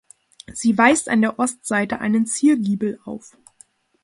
Sie weist an der Ostseite einen Ziergiebel auf.